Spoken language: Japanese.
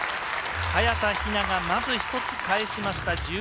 早田ひなが、まず１つ返しました。